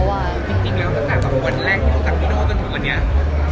จริงแล้วกับคนแรกที่ต้องการที่โนกันพอแบบนี้